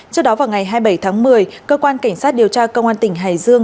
trước đó vào ngày hai mươi bảy tháng một mươi cơ quan cảnh sát điều tra công an tỉnh hải dương